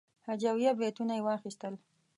هجویه بیتونه یې واخیستل.